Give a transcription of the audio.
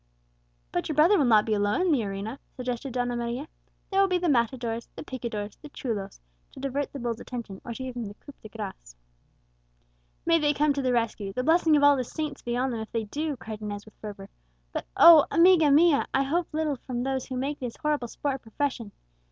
"But your brother will not be alone in the arena," suggested Donna Maria; "there will be the matadors, the picadors, the chulos, to divert the bull's attention, or to give him the coup de grace." "May they come to the rescue! the blessing of all the saints be on them if they do!" cried Inez with fervour. "But oh! amiga mia, I hope little from those who make this horrible sport a profession.